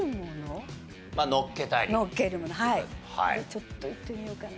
ちょっといってみようかな。